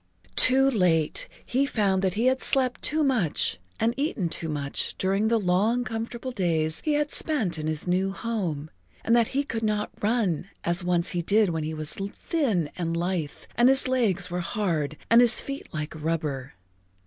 Too late he found that he had slept too much and eaten too much during the long, comfortable days he had spent in his new home, and that he could not run as once he did when he was thin and lithe and his legs were hard and his feet like rubber.